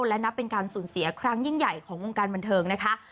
และนับเป็นการสูญเสียครั้งยิ่งใหญ่ของวงการบันเทิงนะคะ